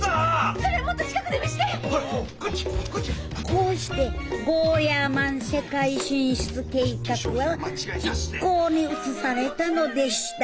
こうしてゴーヤーマン世界進出計画は実行に移されたのでした。